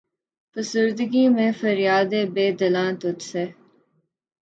فسردگی میں ہے فریادِ بے دلاں تجھ سے